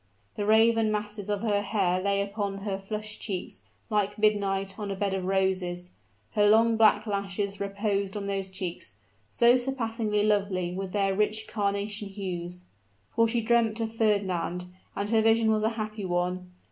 The raven masses of her hair lay upon her flushed cheeks like midnight on a bed of roses, her long black lashes reposed on those cheeks, so surpassingly lovely with their rich carnation hues. For she dreamt of Fernand; and her vision was a happy one.